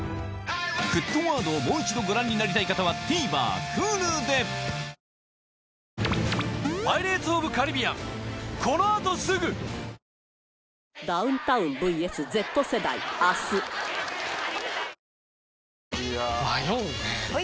『沸騰ワード』をもう一度ご覧になりたい方はＴＶｅｒＨｕｌｕでいや迷うねはい！